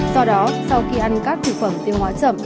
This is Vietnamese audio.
do đó sau khi ăn các thực phẩm tiêu hóa chậm